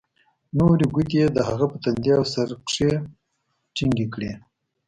نورې گوتې يې د هغه په تندي او سر کښې ټينگې کړې.